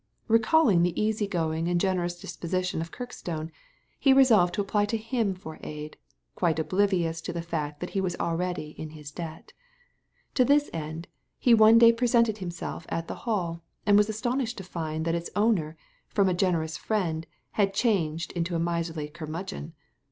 Recalling the easy going and generous disposition of Kirkstone, he resolved to apply to him for aid, quite oblivious to the fact that he was already in his debt To this end he one day presented himself at the Hall, and was astonished to find that its owner, from a generous friend, had changed into a miserly curmudgeon.